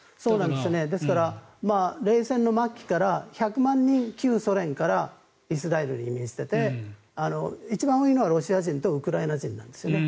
ですから冷戦の末期から１００万人、旧ソ連からイスラエルに移民してて一番多いのがロシア人とウクライナ人なんですね。